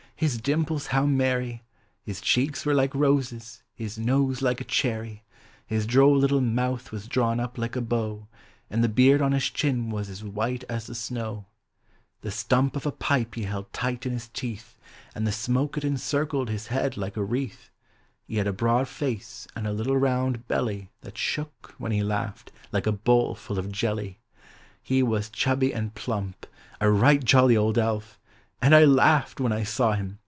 his dimples how merry ! Ilis cheeks were like roses, his nose like a cherry; His droll little mouth was drawn up like a bow, And the beard on his chin was as white as the snow. Digitized by Google FOR CHILDREN. The stump of a pipe he held tight in his teeth. Aud the smoke it encircled his head like a wreath, lie had a broad face aud a little rouud belly That shook, when he laughed, like a bowl full of jelly. He was chubby aud plump, — a right jolly old elf; And I laughed, when 1 saw him.